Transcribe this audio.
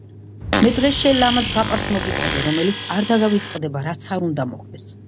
მე დღეს შენ ლამაზ ზღაპარს მოგიყვრბი რომელიც არ დაგავიწყდება რაც არ უნდა მოხდეს